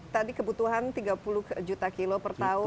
tadi kebutuhan tiga puluh juta kilo per tahun